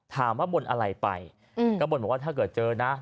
ถามว่าบ่นอะไรไปก็บ่นว่าถ้าเกิดเจอนะ